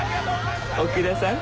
奥田さん